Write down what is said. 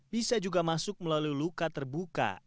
bisa juga masuk melalui luka terbuka atau lapis